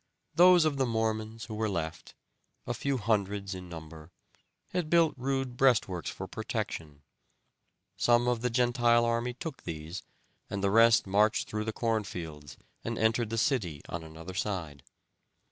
Those of the Mormons who were left, a few hundreds in number, had built rude breastworks for protection; some of the Gentile army took these, and the rest marched through the corn fields, and entered the city on another side.